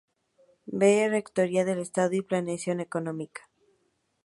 V.- Rectoría del Estado y Planeación Económica.